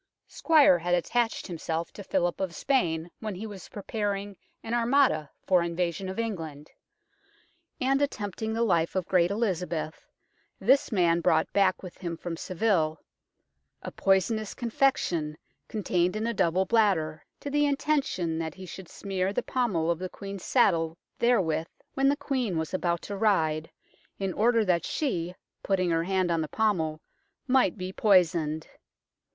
Squyer had attached himself to Philip of Spain when he was preparing an Armada for invasion of England, and, attempting the life of great Elizabeth, this man brought back with him from Seville " a poisonous con fection, contained in a double bladder, to the intention that he should smere the pommel of the Queen's saddle therewith when the Queen was about to ride, in order that she, putting her hand on the pommel, might be poisoned."